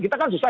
kita kan susah